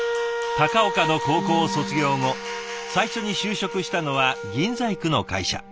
高岡の高校を卒業後最初に就職したのは銀細工の会社。